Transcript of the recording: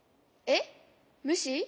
えっむし？